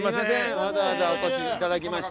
わざわざお越しいただきました。